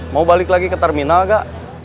mau balik lagi ke terminal gak